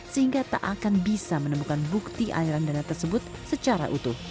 sehingga tak akan bisa menemukan bukti aliran dana tersebut secara utuh